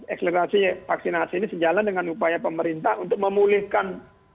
eksplorasi vaksinasi ini sejalan dengan upaya pemerintah untuk memulihkan